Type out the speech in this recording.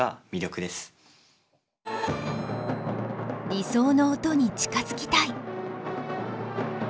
理想の音に近づきたい。